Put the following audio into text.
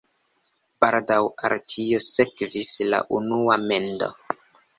Baldaŭ al tio sekvis la unua mendo.